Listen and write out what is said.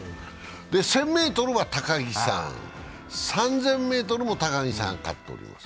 １０００ｍは高木さん、３０００ｍも高木さんが勝っています。